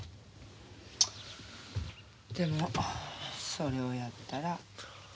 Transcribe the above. でもそれをやったら。